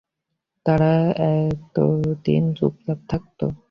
তারা এতদিন চুপচাপ থাকতো।